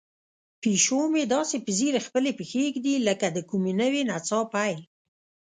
پیشو مې داسې په ځیر خپلې پښې ږدوي لکه د کومې نوې نڅا پیل.